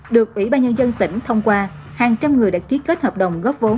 được ủy ban nhân dân tỉnh thông qua hàng trăm người đã ký kết hợp đồng góp vốn